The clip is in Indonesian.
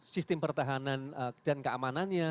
sistem pertahanan dan keamanannya